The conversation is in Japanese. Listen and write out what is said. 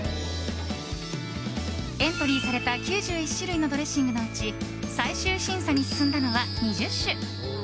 エントリーされた９１種類のドレッシングのうち最終審査に進んだのは２０種。